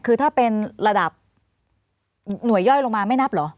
คือถ้าเป็นระดับหน่วยย่อยลงมาไม่นับเหรอ